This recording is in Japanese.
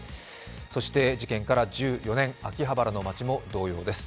そして事件から１４年、秋葉原の街も同様です。